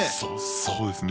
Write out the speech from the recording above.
そうですね。